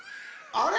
あれ？